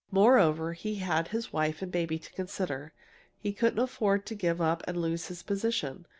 Moreover, he had his wife and baby to consider. He couldn't afford to give up and lose his position.